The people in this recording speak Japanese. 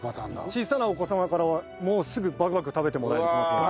小さなお子様からもうすぐバクバク食べてもらえますね。